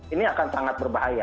ini akan sangat berbahaya